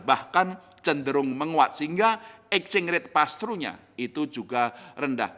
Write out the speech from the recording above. bahkan cenderung menguat sehingga exchange rate pastro nya itu juga rendah